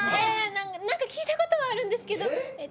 なんか聞いた事はあるんですけど。